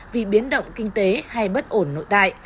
vì biến động kinh tế hay bất ổn nội tại